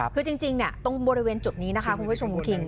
คือจริงตรงบริเวณจุดนี้นะคะคุณผู้ชมคุณคิง